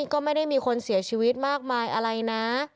ก็ไม่ได้มีคนเสียชีวิตมากมายอะไรนะ